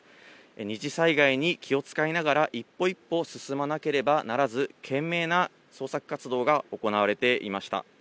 二次災害に気を遣いながら、一歩一歩進まなければならず、懸命な捜索活動が行われていました。